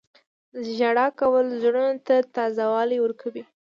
• ژړا کول د زړونو ته تازه والی ورکوي.